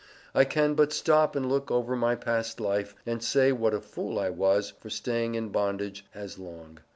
I can but stop and look over my past Life and say what a fool I was for staying in bondage as Long.